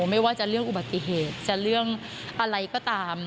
ไม่ว่าจะเรื่องอุบัติเหตุจะเรื่องอะไรก็ตาม